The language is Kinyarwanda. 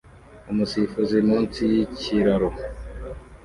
Umusifuzi munsi yikiraro